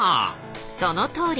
そのとおり！